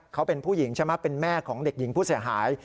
เขาเป็นผู้หญิงใช่ไหมเป็นแม่ของเด็กหญิงผู้เสียหาย